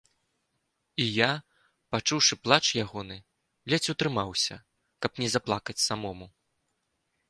І я, пачуўшы плач ягоны, ледзь утрымаўся, каб не заплакаць самому.